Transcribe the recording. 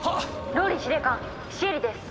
・ＲＯＬＬＹ司令官シエリです！